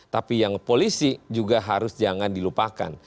tapi yang polisi juga harus jangan dilupakan